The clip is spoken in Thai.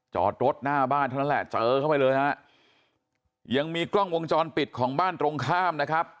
จอดรถหน้าบ้านเท่านั้นแหละเจอเข้าไปเลยฮะยังมีกล้องวงจรปิดของบ้านตรงข้ามนะครับ